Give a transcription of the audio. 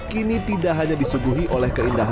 kini tidak hanya disuguhi oleh keindahan